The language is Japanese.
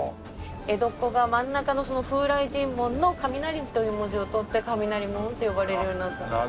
江戸っ子が真ん中のその風雷神門の「雷」という文字をとって雷門って呼ばれるようになったんです。